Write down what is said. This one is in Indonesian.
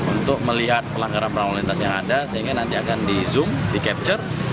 untuk melihat pelanggaran pelanggaran yang ada sehingga nanti akan di zoom di capture